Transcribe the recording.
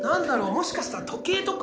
もしかしたら時計とか？